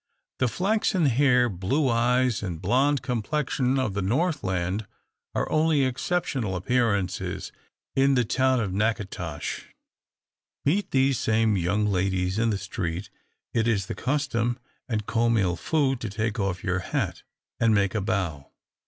The flaxen hair, blue eyes, and blonde complexion of the Northland are only exceptional appearances in the town of Natchitoches. Meet these same young ladies in the street, it is the custom, and comme il faut, to take off your hat, and make a bow.